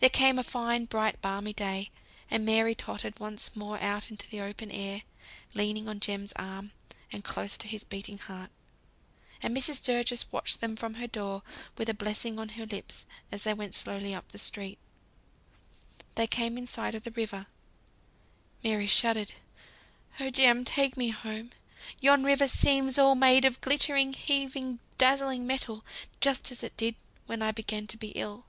There came a fine, bright, balmy day. And Mary tottered once more out into the open air, leaning on Jem's arm, and close to his beating heart. And Mrs. Sturgis watched them from her door, with a blessing on her lips, as they went slowly up the street. They came in sight of the river. Mary shuddered. "Oh, Jem! take me home. Yon river seems all made of glittering, heaving, dazzling metal, just as it did when I began to be ill."